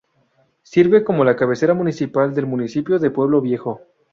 Sirve como la cabecera municipal del municipio de Pueblo Viejo.